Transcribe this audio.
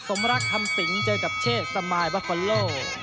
สมรักคำสิงเจอกับเชษสมายบาคอนโล